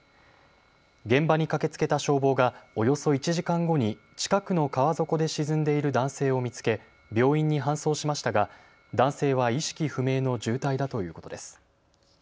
現場に駆けつけた消防がおよそ１時間後に近くの川底で沈んでいる男性を見つけ病院に搬送しましたが男性は意識不明の重体だということです。